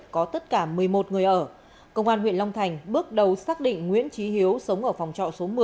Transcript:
có tất cả một mươi một người ở công an huyện long thành bước đầu xác định nguyễn trí hiếu sống ở phòng trọ số một mươi